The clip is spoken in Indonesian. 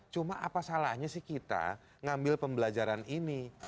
cuma apa salahnya sih kita ngambil pembelajaran ini